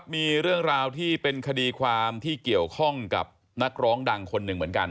มีเรื่องราวที่เป็นคดีความที่เกี่ยวข้องกับนักร้องดังคนหนึ่งเหมือนกัน